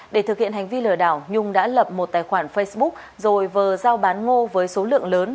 để thực hiện hành vi lừa đảo nhung đã lập một tài khoản facebook rồi vờ giao bán ngô với số lượng lớn